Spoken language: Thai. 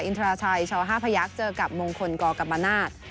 อินทราชัยชาวห้าพยักษ์เจอกับมงคลกอกับมนาศ